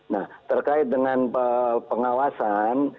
nah terkait dengan pengawasan